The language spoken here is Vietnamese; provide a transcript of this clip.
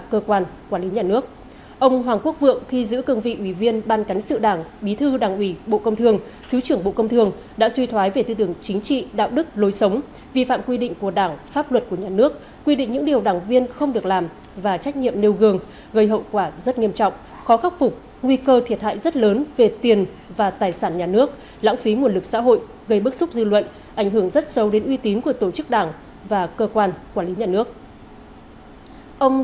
về trách nhiệm của những cá nhân có liên quan bộ chính trị ban bí thư xác định ông trịnh đình dũng khi giữ cường vị ủy viên trung mương đảng ủy viên ban cảnh sự đảng ủy viên bí thư đảng ủy bộ công thương thứ trưởng bộ công thương đã suy thoái về tư tưởng chính trị đạo đức lối sống vi phạm quy định của đảng pháp luật của nhà nước quy định những điều đảng viên không được làm và trách nhiệm nêu gương gây hậu quả rất nghiêm trọng khó khắc phục nguy cơ thiệt hại rất lớn về tiền và tài sản nhà nước lãng phí nguồn